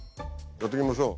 やっていきましょう。